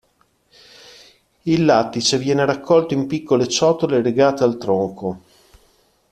Il lattice viene raccolto in piccole ciotole legate al tronco.